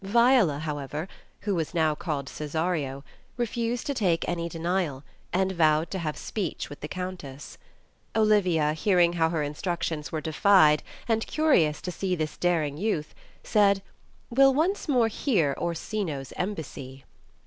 Viola, however, (who was now called Cesario, ) refused to take any denial, and vowed to have speech with the Countess. Olivia, hearing how her instructions were defied and curious to see this daring youth, said, "We'll once more hear Orsino's embassy.'